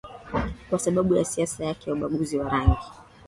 kwa sababu ya siasa yake ya ubaguzi wa rangi